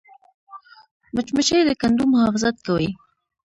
مچمچۍ د کندو محافظت کوي